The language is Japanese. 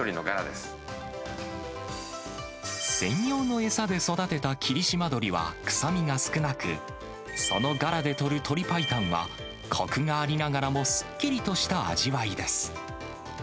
専用の餌で育てた霧島鶏は臭みが少なく、そのガラでとる鶏白湯は、こくがありながらもすっきりとした味わいです。